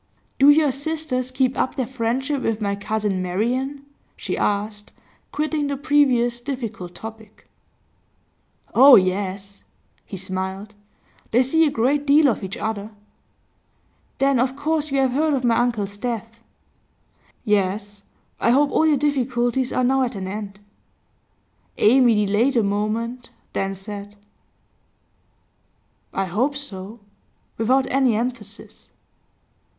'Do your sisters keep up their friendship with my cousin Marian?' she asked, quitting the previous difficult topic. 'Oh yes!' He smiled. 'They see a great deal of each other.' 'Then of course you have heard of my uncle's death?' 'Yes. I hope all your difficulties are now at an end.' Amy delayed a moment, then said: 'I hope so,' without any emphasis.